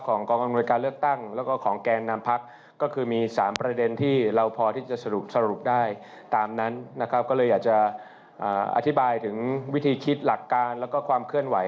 การพูดคุยกับพักฯนะครับอย่างที่ได้เรียนไปว่ากว่าความคืบหน้า